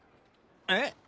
えっ？